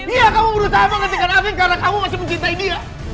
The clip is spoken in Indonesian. iya kamu berusaha menghentikan api karena kamu masih mencintai dia